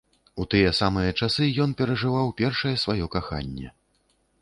У тыя самыя часы ён перажываў першае сваё каханне.